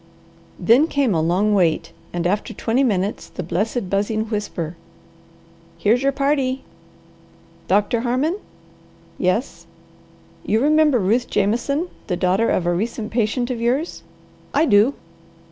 Then came a long wait, and after twenty minutes the blessed buzzing whisper, "Here's your party." "Doctor Harmon?" "Yes." "You remember Ruth Jameson, the daughter of a recent patient of yours?" "I do."